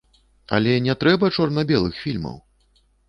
Але не трэба чорна-белых фільмаў!